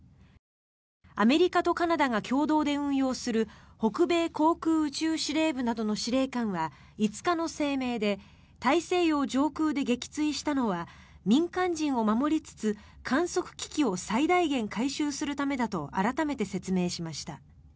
アメリカとカナダが共同で運用する北米航空宇宙司令部などの司令官は５日の声明で大西洋上空で撃墜したのは民間人を守りつつ、観測機器を最大限回収するためだと改めて説明しました。